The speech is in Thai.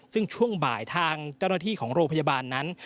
ซึ่งช่วงบ่ายทางเจ้าหน้าที่ของโรงพยาบาลนั้น